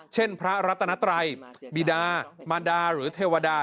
เช่นพระรัตนัตรัยบิดามารดาหรือเทวดา